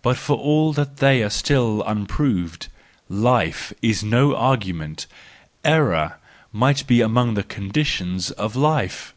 But for all that they are still unproved. Life is no argument; error might be among the conditions of life.